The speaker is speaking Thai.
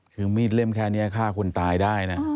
คือมีดเล่มแค่นี้ฆ่าคนตายได้นะ